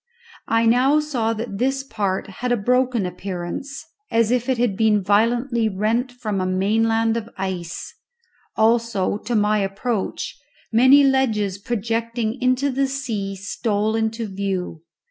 I now saw that this part had a broken appearance as if it had been violently rent from a mainland of ice; also, to my approach, many ledges projecting into the sea stole into view.